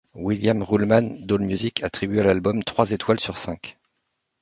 William Ruhlmann d'AllMusic attribue à l'album trois étoiles sur cinq.